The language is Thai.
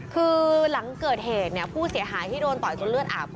คือหลังเกิดแล้วผู้เสียหายที่ถูกจบเขาที่เอาเสียหาย